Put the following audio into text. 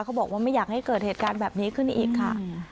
บอกว่าไม่อยากให้เกิดเหตุการณ์แบบนี้ขึ้นอีกค่ะ